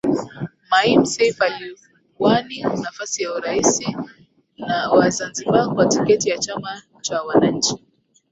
Maim Seif aliwani nafasi ya urais wa Zanzibar kwa tiketi ya Chama cha Wananchi